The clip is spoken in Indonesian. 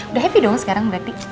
udah happy dong sekarang berarti